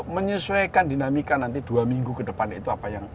menyesuaikan dinamika nanti dua minggu ke depan itu apa yang